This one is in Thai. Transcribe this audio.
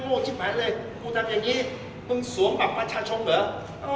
กูโจรสิบหมาเลยกูทำอย่างงี้มึงสวมหับประชาชนเหรอ